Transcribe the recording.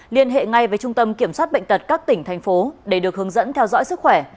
liên hệ ngay với trung tâm kiểm soát bệnh tật các tỉnh thành phố để được hướng dẫn theo dõi sức khỏe